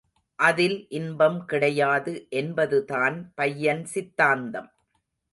அதில் இன்பம் கிடையாது என்பதுதான் பையன் சித்தாந்தம்.